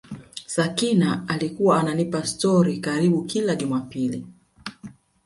Sakina alikuwa ananipa stori karibu kila Jumapili